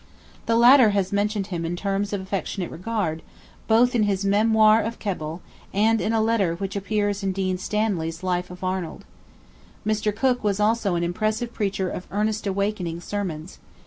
The latter has mentioned him in terms of affectionate regard, both in his Memoir of Keble, and in a letter which appears in Dean Stanley's 'Life of Arnold.' Mr. Cooke was also an impressive preacher of earnest awakening sermons.